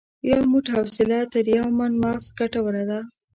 یو موټ حوصله تر یو من مغز ګټوره ده.